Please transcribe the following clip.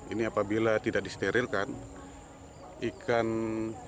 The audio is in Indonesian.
ini apabila tidak disterilkan ikan paus ini yang masih terperangkap di muara sungai ini itu bisa menjadi stres